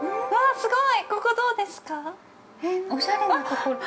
すごーい。